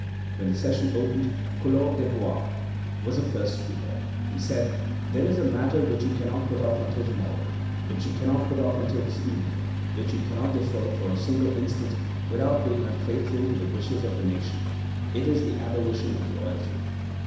When the session opened, Collot d'Herbois was the first speaker. He said: "There is a matter which you cannot put off until to morrow, which you cannot put off until this evening, which you cannot defer for a single instant without being unfaithful to the wishes of the nation; it is the abolition of royalty."